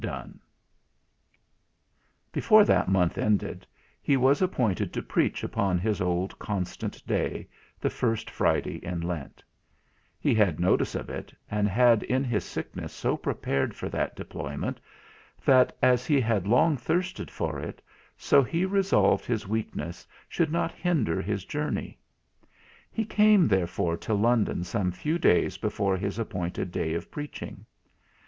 Donne." Before that month ended, he was appointed to preach upon his old constant day, the first Friday in Lent: he had notice of it, and had in his sickness so prepared for that employment, that as he had long thirsted for it, so he resolved his weakness should not hinder his journey; he came therefore to London some few days before his appointed day of preaching.